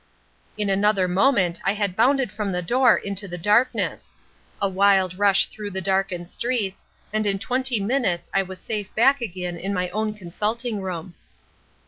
"In another moment I had bounded from the door into the darkness. A wild rush through the darkened streets, and in twenty minutes I was safe back again in my own consulting room."